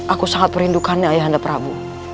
aku sangat perlindungannya ayah anda pramu